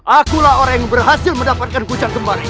akulah orang yang berhasil mendapatkan kucang kembar itu